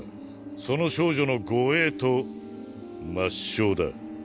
その少女の護衛と抹消だ。